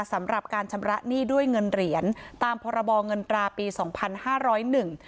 สำหรับการชำระหนี้ด้วยเงินเหรียญตามพรบเงินตราปีสองพันห้าร้อยหนึ่ง